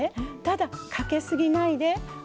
ただかけ過ぎないで。